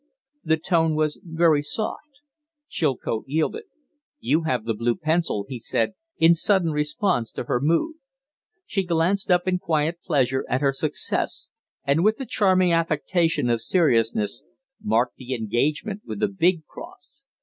The tone was very soft. Chilcote yielded. "You have the blue pencil," he said, in sudden response to her mood. She glanced up in quiet pleasure at her Success, and, with a charming affectation of seriousness, marked the engagement with a big cross.